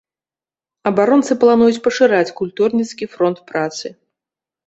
Абаронцы плануюць пашыраць культурніцкі фронт працы.